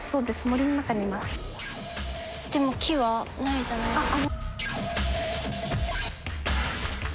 でも木はないじゃない。